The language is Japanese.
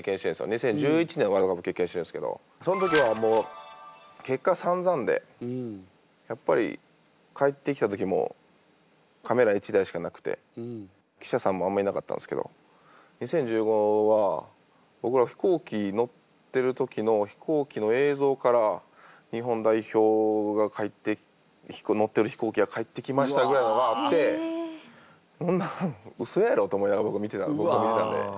２０１１年のワールドカップ経験してるんすけどその時はもう結果さんざんでやっぱり帰ってきた時もカメラ１台しかなくて記者さんもあんまいなかったんすけど２０１５は僕ら飛行機乗ってる時の飛行機の映像から日本代表が乗ってる飛行機が帰ってきましたぐらいのがあってそんなんうそやろと思いながら僕見てたんで。